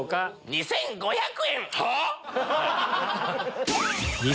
２５００円！